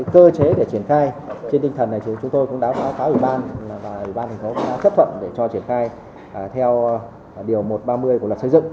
cơ chế để triển khai trên tinh thần này chúng tôi cũng đã khá ủy ban và ủy ban tp hcm đã chấp thuận để cho triển khai theo điều một trăm ba mươi của lập xây dựng